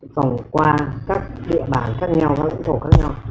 vòng qua các địa bàn khác nhau các lãnh thổ khác nhau